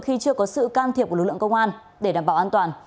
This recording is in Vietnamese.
khi chưa có sự can thiệp của lực lượng công an để đảm bảo an toàn